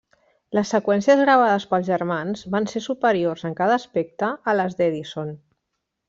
Les seqüències gravades pels germans van ser superiors en cada aspecte a les d’Edison.